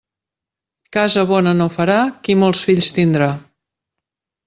Casa bona no farà qui molts fills tindrà.